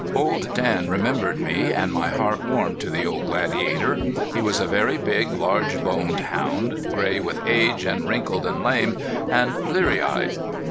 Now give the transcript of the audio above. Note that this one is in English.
Old Dan remembered me, and my heart warmed to the old gladiator. He was a very big, large boned hound, gray with age and wrinkled and lame, and bleary eyed.